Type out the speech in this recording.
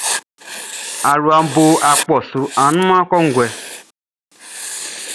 Aluaʼn bo akpɔʼn su annunman kɔnguɛ.